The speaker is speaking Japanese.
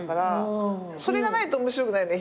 それがないと面白くないよね